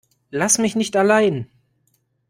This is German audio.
Lass mich nicht allein.